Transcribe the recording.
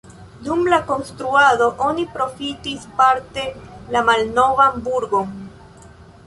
Dum la konstruado oni profitis parte la malnovan burgon.